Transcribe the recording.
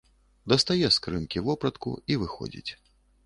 Дастае з скрынкі вопратку і выходзіць.